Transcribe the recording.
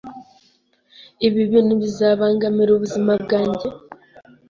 Ibi bintu bizabangamira ubuzima bwanjye?